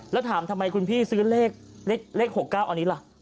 แล้วถามทำไมคุณพี่ซื้อเลข๖๙อันนี้ล่ะ